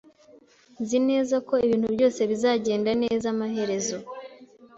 Nzi neza ko ibintu byose bizagenda neza amaherezo